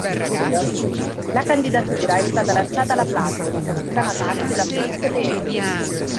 La candidatura è stata lanciata a La Plata, città natale della first lady.